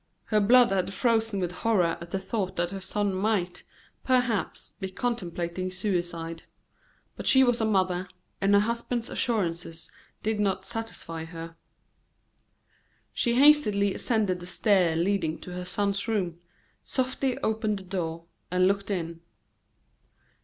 Her blood had frozen with horror at the thought that her son might, perhaps, be contemplating suicide; but she was a mother, and her husband's assurances did not satisfy her. She hastily ascended the stairs leading to her son's room, softly opened the door, and looked in.